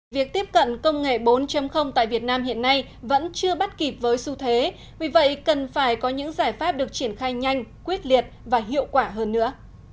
việc tiếp cận công nghệ bốn tại việt nam hiện nay vẫn chưa bắt kịp với xu thế vì vậy cần phải có những giải pháp được triển khai nhanh quyết liệt và hiệu quả hơn nữa